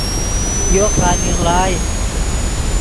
یو قالین ڑائے